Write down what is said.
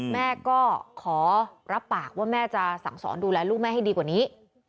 แม่ก็ขอรับปากว่าแม่จะสั่งสอนดูแลลูกแม่ให้ดีกว่านี้